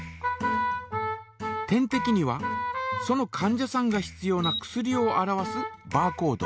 点てきにはそのかん者さんが必要な薬を表すバーコード。